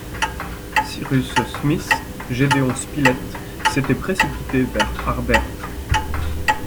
Cyrus Smith, Gédéon Spilett s’étaient précipités vers Harbert